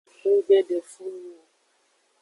Nggbe de fun nung o.